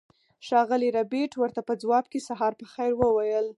ښاغلي ربیټ ورته په ځواب کې سهار په خیر وویل